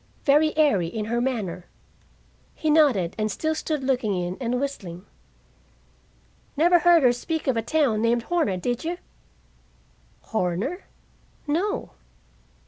Very airy in her manner." He nodded and still stood looking in and whistling. "Never heard her speak of a town named Horner, did you?" "Horner? No."